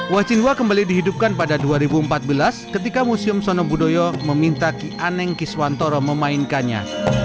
wacinwa kembali dihidupkan pada dua ribu empat belas ketika museum sonobudoyo meminta ki aneng kiswantoro memainkannya